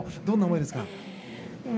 どんな思いでしたか？